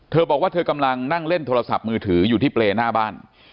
เธอบอกว่าเธอกำลังนั่งเล่นโทรศัพท์มือถืออยู่ที่เปรย์หน้าบ้าน